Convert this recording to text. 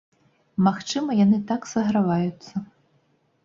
Магчыма, яны так саграваюцца.